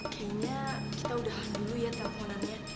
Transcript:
kayaknya kita udah dulu ya teleponannya